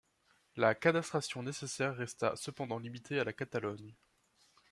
La cadastration nécessaire resta cependant limitée à la Catalogne.